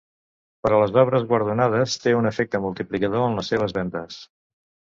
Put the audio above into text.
Per a les obres guardonades, té un efecte multiplicador en les seves vendes.